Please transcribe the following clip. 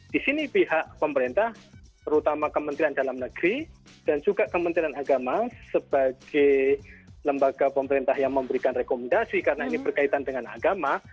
di sini pihak pemerintah terutama kementerian dalam negeri dan juga kementerian agama sebagai lembaga pemerintah yang memberikan rekomendasi karena ini berkaitan dengan agama